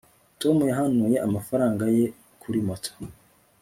tom yahanuye amafaranga ye kuri moto